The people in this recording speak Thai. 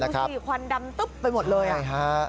ควันดำตุ๊บไปหมดเลย